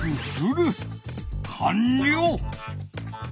かんりょう！